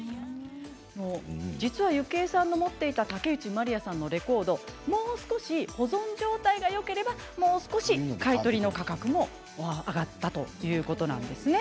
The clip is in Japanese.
実は、ゆきえさんの持っていた竹内まりやさんのレコード、もう少し保存状態がよければさらにもう少し買い取りの価格も上がったということなんです。